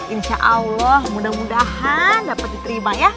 insya allah mudah mudahan dapat diterima ya